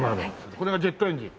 これがジェットエンジン。